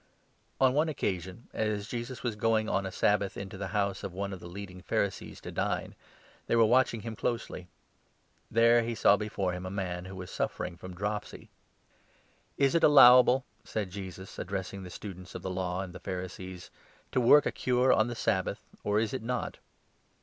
^n one occasion, as Jesus was going, on a ai Sabbath, into the house of one of the leading Man. Pharisees to dine, they were watching him closely. There he saw before him a man who was suffering from dropsy. " Is it allowable," said Jesus, addressing the Students of the Law and the Pharisees, "to work a cure on the Sabbath, or is it not